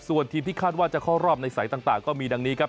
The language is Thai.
ส่วนทีมที่คาดว่าจะเข้ารอบในสายต่างก็มีดังนี้ครับ